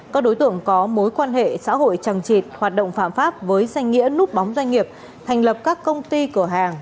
các đối tượng có mối quan hệ xã hội chẳng chịt hoạt động phạm pháp với danh nghĩa núp bóng doanh nghiệp thành lập các công ty cửa hàng